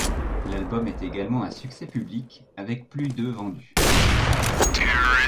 L'album est également un succès public, avec plus de vendus.